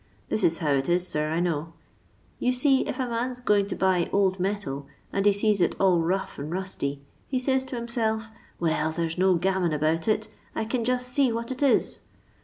This is how it is, sir, 1 know. You see if a man 's going to buy old metal, and he 9%^ it all rough and rus^, he says to himself, ' Well, there 'a no gammon about it; I can juat see what it is.'